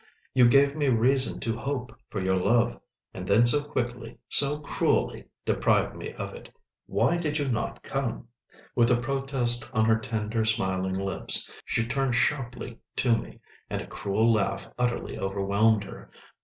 You gave me reason to hope for your love, and then so quickly, so cruelly deprived me of it. Why did you not come?" With a protest on her tender, smiling lips, she turned sharply to me, and a cruel laugh utterly overwhelmed her.